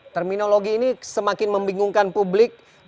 terminologi ini semakin membingungkan publik